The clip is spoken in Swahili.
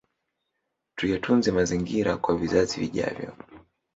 Tuyatunze mazingira kwa vizazi vijavyo